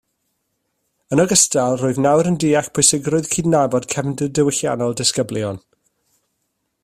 Yn ogystal, rwyf nawr yn deall pwysigrwydd cydnabod cefndir diwylliannol disgyblion